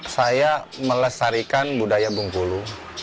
saya melestarikan budaya bengkulu